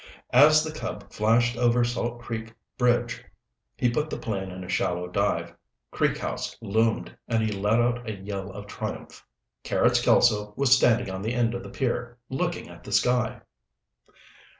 As the Cub flashed over Salt Creek Bridge, he put the plane in a shallow dive. Creek House loomed and he let out a yell of triumph. Carrots Kelso was standing on the end of the pier, looking at the sky!